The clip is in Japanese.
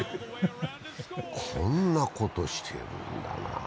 こんなことしているんだな。